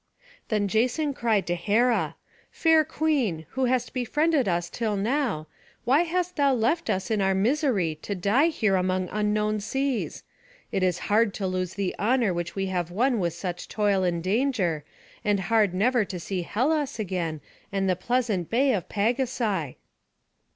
Then Jason cried to Hera: "Fair queen, who hast befriended us till now, why hast thou left us in our misery, to die here among unknown seas? It is hard to lose the honour which we have won with such toil and danger, and hard never to see Hellas again, and the pleasant bay of Pagasai."